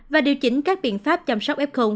và điều chỉnh các biện pháp chăm sóc ép không